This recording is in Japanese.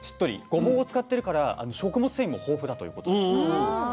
ごぼうを使ってるから食物繊維も豊富だということです。